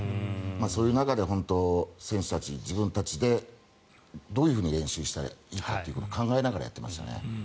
そういう中で選手たちは自分たちでどういうふうに練習したらいいかを考えながら練習してましたね。